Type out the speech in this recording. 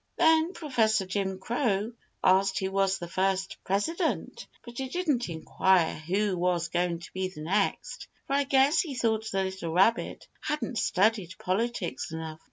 Then Professor Jim Crow asked who was the first President, but he didn't enquire who was going to be the next, for I guess he thought the little rabbit hadn't studied Politics enough.